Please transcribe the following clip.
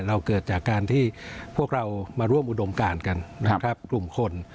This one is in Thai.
เกิดจากการที่พวกเรามาร่วมอุดมการกันนะครับกลุ่มคน